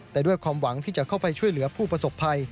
แต่ด้วยความหวังที่จะเข้าไปช่วยเหลือผู้ประสบภัย